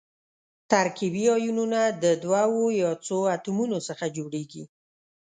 ترکیبي ایونونه د دوو یا څو اتومونو څخه جوړیږي.